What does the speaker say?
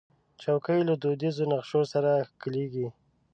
چوکۍ له دودیزو نقشو سره ښکليږي.